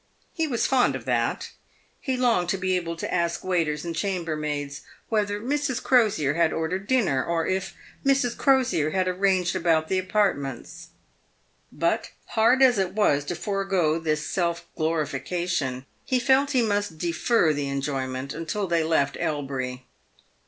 He was fond of that. He longed to be able to ask waiters and chambermaids " whether Mrs. Crosier had ordered dinner ?" or if " Mrs. Crosier had arranged about the apartments ?" But, hard as it was to forego this self glorification, he felt he must defer the enjoyment until they left Elbury.